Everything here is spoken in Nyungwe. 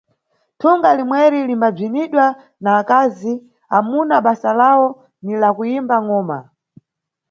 Thunga limweri limbabziniwa na akazi, amuna basa lawo ni la kuyimba ngʼoma.